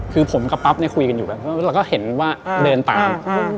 คือผมกับปั๊บเนี่ยคุยกันอยู่แบบเราก็เห็นว่าเดินตาม